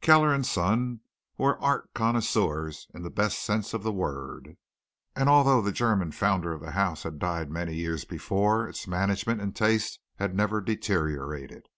Kellner and Son were art connoisseurs in the best sense of the word, and although the German founder of the house had died many years before, its management and taste had never deteriorated.